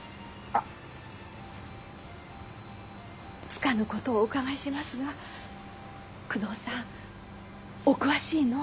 つかぬことをお伺いしますが久遠さんお詳しいの？